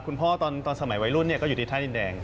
คุณพ่อตอนสมัยวัยรุ่นเนี่ยก็อยู่ที่ท่าดินแดง